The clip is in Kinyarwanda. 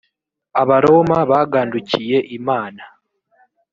abaroma bagandukiye imana.